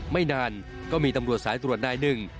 ไม่นานก็มีตำรวจสายตรวจนายหนึ่ง